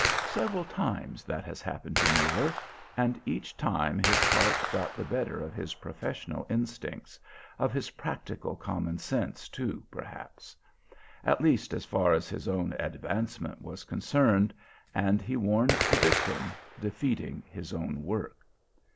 Several times that has happened to Muller, and each time his heart got the better of his professional instincts, of his practical common sense, too, perhaps,... at least as far as his own advancement was concerned, and he warned the victim, defeating his own work.